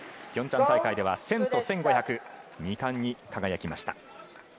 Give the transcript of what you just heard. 平昌大会では１０００と１５００で２冠に輝きました。